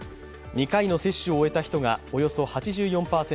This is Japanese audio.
２回の接種を終えた人がおよそ８４％